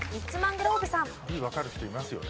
Ｄわかる人いますよね？